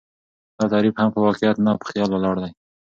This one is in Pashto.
دا تعريف هم په واقعيت نه، په خيال ولاړ دى